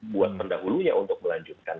buat pendahulunya untuk melanjutkan